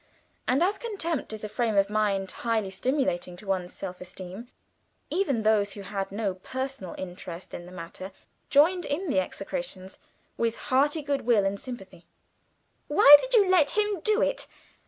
And as contempt is a frame of mind highly stimulating to one's self esteem, even those who had no personal interest in the matter joined in the execrations with hearty goodwill and sympathy. "Why did you let him do it?